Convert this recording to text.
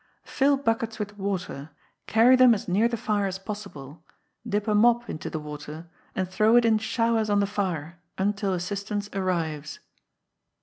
Fill Buckets with Water, carry them as near the fire as possible, dip a mop into the water, and throw it in showers on the fire, until assistance arrives.